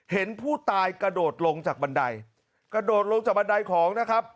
เห็นผู้ตายกระโดดลงจากบันไดกระโดดลงจากบันไดของนะครับ